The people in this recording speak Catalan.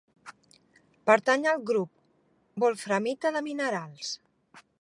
Pertany al grup wolframita de minerals.